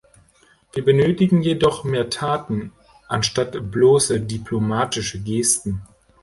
Wir benötigen jedoch mehr Taten, anstatt bloße diplomatische Gesten.